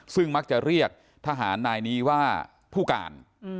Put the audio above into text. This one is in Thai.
ซึ่งมักจะเรียกทหารนายนี้ว่าผู้การ